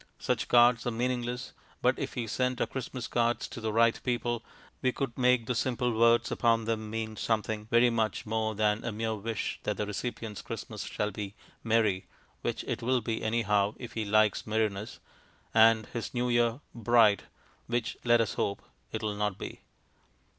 Such cards are meaningless; but if we sent our Christmas cards to the right people, we could make the simple words upon them mean something very much more than a mere wish that the recipient's Christmas shall be "merry" (which it will be anyhow, if he likes merriness) and his New Year "bright" (which, let us hope, it will not be).